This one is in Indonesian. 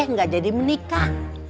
enggak jadi menikah